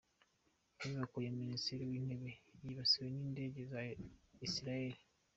Inyubako ya Minisitiri w’Intebe yibasiwe n’Indege za Isiraheli